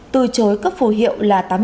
từ chối cấp phù hiệu là